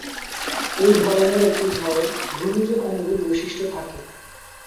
এই ধরনের একটি ঝড়ে, ঘুর্ণীঝড় অনুরূপ বৈশিষ্ট্য থাকে।